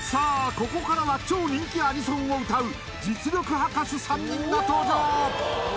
ここからは超人気アニソンを歌う実力派歌手３人が登場